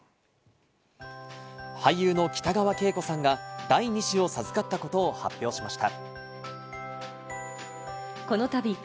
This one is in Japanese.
俳優の北川景子さんが第２子を授かったことを発表しました。